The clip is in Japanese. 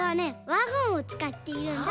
ワゴンをつかっているんだ。